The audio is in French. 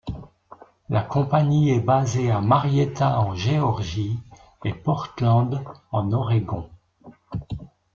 La compagnie est basée à Marietta en Géorgie et Portland en Oregon.